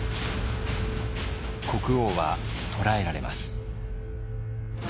国王は捕らえられます。